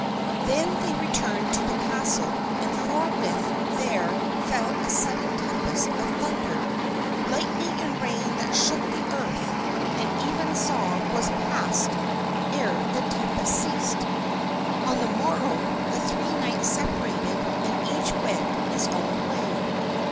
Then they returned to the castle and forthwith there fell a sudden tempest of thunder, lightning and rain that shook the earth, and evensong was passed ere the tempest ceased. On the morrow the three knights separated and each went his own way.